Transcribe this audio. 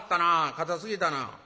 硬すぎたな」。